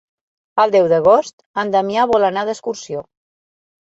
El deu d'agost en Damià vol anar d'excursió.